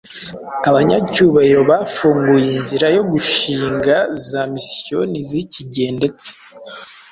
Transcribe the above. abanyacyubahiro bafunguye inzira yo gushinga za misiyoni z’iki gihe ndetse